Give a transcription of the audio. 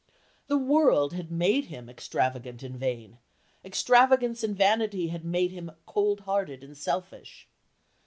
The world had made him extravagant and vain; extravagance and vanity had made him cold hearted and selfish.